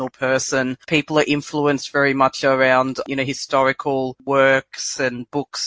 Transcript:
orang orang terinfluensi banyak banyak di sekitar karya sejarah dan buku